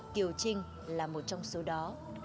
kiều trinh là một trong số đó